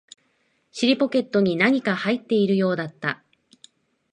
尻ポケットに何か入っているようだった